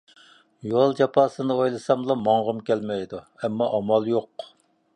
يول جاپاسىنى ئويلىساملا ماڭغۇم كەلمەيدۇ. ئەمما ئامال يوق.